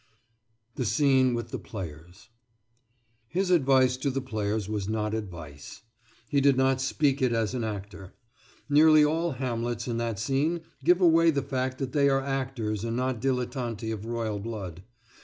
THE SCENE WITH THE PLAYERS His advice to the players was not advice. He did not speak it as an actor. Nearly all Hamlets in that scene give away the fact that they are actors and not dilettanti of royal blood.